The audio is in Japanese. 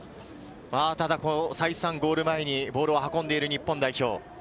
再三ゴール前にボールを運んでいる日本代表。